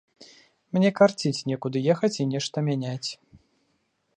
Мне карціць некуды ехаць і нешта мяняць.